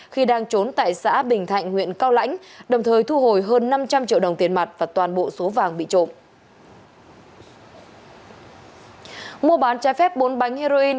khi đang trốn tại xã bình thạnh huyện cao lãnh đồng thời thu hồi hơn năm trăm linh triệu đồng tiền mặt và toàn bộ số vàng bị trộm